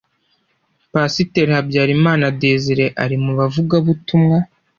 Pasiteri Habyarimana Désire ari mu bavugabutumwa